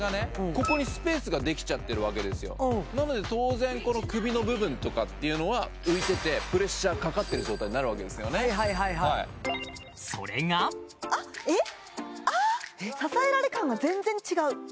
ここにスペースができちゃってるわけですよなので当然この首の部分とかっていうのは浮いててプレッシャーかかってる状態になるわけですよねそれがあっえっ？